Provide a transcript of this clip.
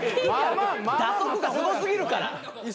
蛇足がすご過ぎるから。